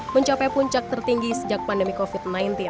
mencapai puncak tertinggi sejak pandemi covid sembilan belas